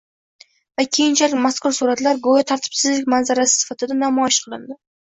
va keyinchalik mazkur suratlar go‘yo tartibsizlik manzarasi sifatida namoyish qilindi.